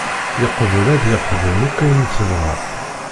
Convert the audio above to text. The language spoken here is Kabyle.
Yeqbel ad yexdem akk ayen tebɣa.